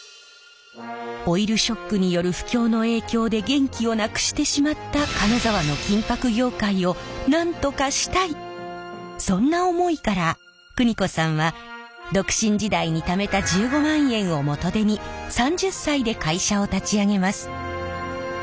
オイルショックによる不況の影響で元気をなくしてしまったそんな思いから邦子さんは独身時代にためた１５万円を元手に３０歳で会社を立ち上げます。